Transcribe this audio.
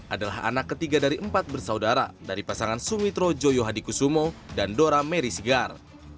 adalah anak ketiga dari empat bersaudara dari pasangan sumitro joyohadikusumo dan dora merisigar